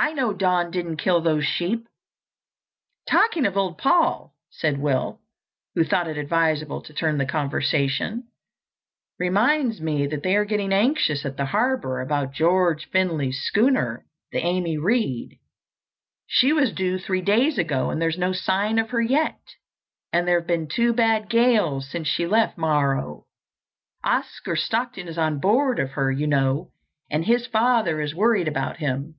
"I know Don didn't kill those sheep." "Talking of old Paul," said Will, who thought it advisable to turn the conversation, "reminds me that they are getting anxious at the Harbour about George Finley's schooner, the Amy Reade. She was due three days ago and there's no sign of her yet. And there have been two bad gales since she left Morro. Oscar Stockton is on board of her, you know, and his father is worried about him.